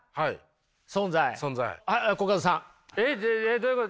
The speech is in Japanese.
どういうこと？